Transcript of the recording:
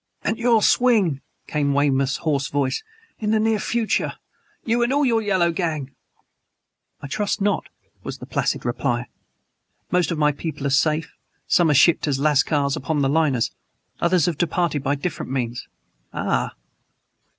"And you'll swing," came Weymouth's hoarse voice, "in the near future! You and all your yellow gang!" "I trust not," was the placid reply. "Most of my people are safe: some are shipped as lascars upon the liners; others have departed by different means. Ah!"